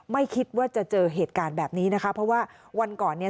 ไม่คิดว่าจะเจอเหตุการณ์แบบนี้นะคะเพราะว่าวันก่อนเนี่ย